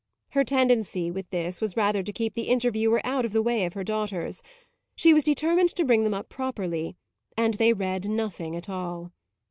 Her tendency, with this, was rather to keep the Interviewer out of the way of her daughters; she was determined to bring them up properly, and they read nothing at all.